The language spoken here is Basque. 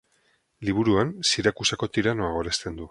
Liburuan, Sirakusako tiranoa goresten du.